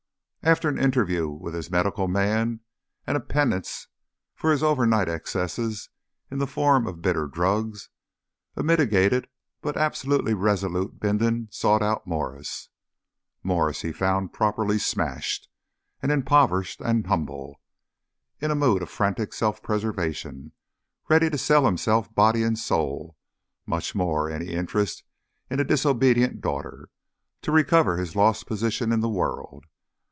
After an interview with his medical man and a penance for his overnight excesses in the form of bitter drugs, a mitigated but absolutely resolute Bindon sought out Mwres. Mwres he found properly smashed, and impoverished and humble, in a mood of frantic self preservation, ready to sell himself body and soul, much more any interest in a disobedient daughter, to recover his lost position in the world.